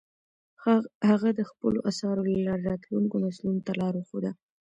هغه د خپلو اثارو له لارې راتلونکو نسلونو ته لار وښوده.